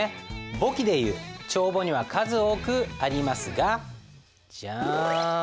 簿記でいう「帳簿」には数多くありますがジャン。